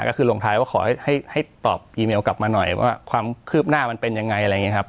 ก็คือลงท้ายว่าขอให้ตอบอีเมลกลับมาหน่อยว่าความคืบหน้ามันเป็นยังไงอะไรอย่างนี้ครับ